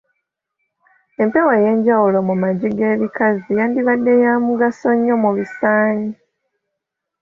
Empewo ey'enjawulo mu magi g’ebikazi yandibadde ya mugaso nnyo mu bisaanyi.